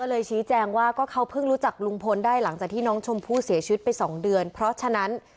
เลยชี้แจงว่าก็เขาเพิ่งรู้จักลุงพลได้หลังจากที่น้องชมพู่เสียชีวิตไปสองเดือนเพราะฉะนั้น